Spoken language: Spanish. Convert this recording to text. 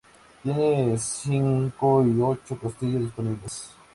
Tiene cinco y ocho costillas disponibles.